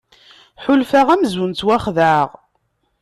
Ḥulfaɣ amzun ttwaxedɛeɣ.